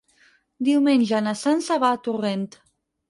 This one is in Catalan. Diumenge na Sança va a Torrent.